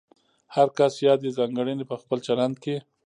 هر کس یادې ځانګړنې په خپل چلند کې